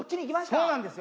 そうなんですよ。